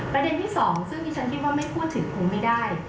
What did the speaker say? ที่สองซึ่งที่ฉันคิดว่าไม่พูดถึงคงไม่ได้